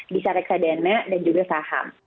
bisa reksadana dan juga saham